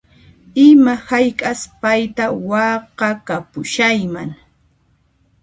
Ima hayk'as payta waqhakapushayman